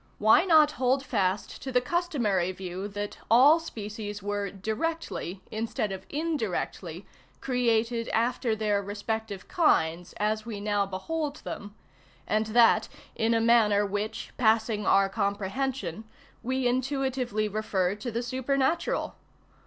Why not hold fast to the customary view, that all species were directly, instead of indirectly, created after their respective kinds, as we now behold them, and that in a manner which, passing our comprehension, we intuitively refer to the supernatural?